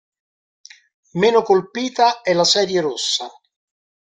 Meno colpita è la serie rossa.